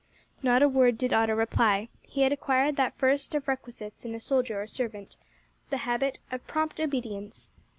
Not a word did Otto reply. He had acquired that first of requisites in a soldier or servant the habit of prompt obedience.